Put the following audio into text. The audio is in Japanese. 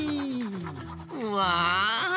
うわ！